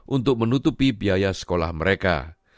untuk menutupi biaya sekolah mereka